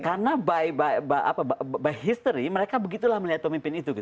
karena by history mereka begitulah melihat pemimpin itu